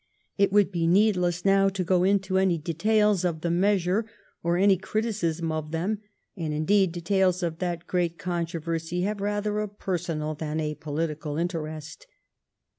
It would be needless now to go into any details of the measure or any criti cism of them, and, indeed, details of that great controversy have rather a personal than a political interest.